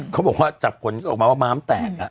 เขาบอกว่าจากผลออกมาว่าม้ามแตก